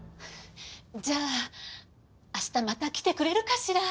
じゃあ明日また来てくれるかしら？